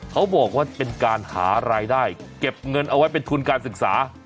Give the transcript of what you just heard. เขาบอกว่าเป็นการหารายได้เก็บเงินเอาไว้เป็นทุนการศึกษา